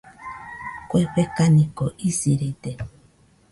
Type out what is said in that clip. Kue fekaniko isirede.